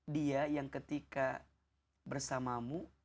dia yang ketika bersamamu